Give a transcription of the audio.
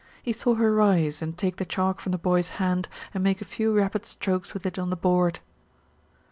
He saw her rise and take the chalk from the boy's hand and make a few rapid strokes with it on the board.